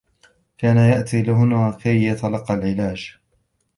كان يأتي إلى هنا كي يتلقّ العلاج.